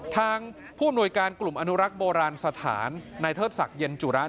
ทางผู้อำนวยการกลุ่มอนุรักษ์โบราณสถานนายเทิดศักดิ์เย็นจุระ